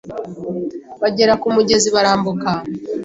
Bagera ku mugezi barambuka